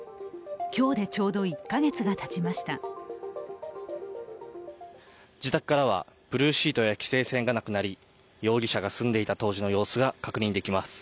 今日でちょうど１か月がたちました自宅からはブルーシートや規制線がなくなり、容疑者が住んでいた当時の様子が確認できます。